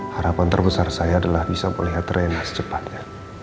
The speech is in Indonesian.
harapan terbesar saya adalah bisa melihat tren secepatnya